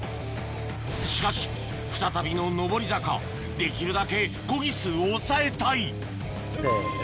しかし再びの上り坂できるだけコギ数を抑えたいせの。